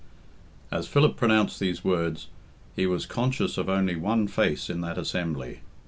As Philip pronounced these words, he was conscious of only one face in that assembly.